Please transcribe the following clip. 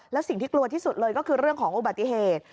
แล้วสิ่งที่กลัวที่สุดเลยก็คือเรื่องของอุบัติเหตุ